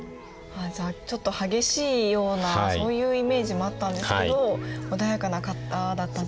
じゃあちょっと激しいようなそういうイメージもあったんですけど穏やかな方だったんじゃないかと。